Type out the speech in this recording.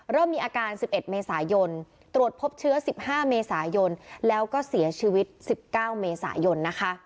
เริ่มมีอาการ๑๑เมษายนตรวจพบเชื้อ๑๕เมษายนแล้วก็เสียชีวิต๑๙เมษายนนะคะ